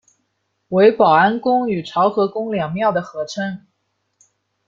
为保安宫与潮和宫两庙的合称。